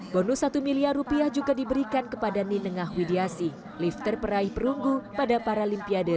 bonus satu miliar rupiah juga diberikan kepada ninengah widiasi lifter peraih perunggu pada paralimpiade rio dua ribu enam belas